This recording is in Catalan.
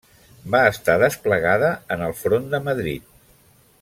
Va estar desplegada en el front de Madrid.